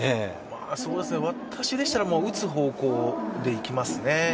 私でしたら、打つ方向でいきますね。